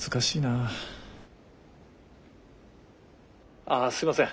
ああすいません